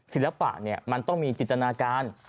ศิลปะมันต้องมีจิตนาการ